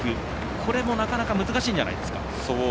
これも、なかなか難しいんじゃないですか。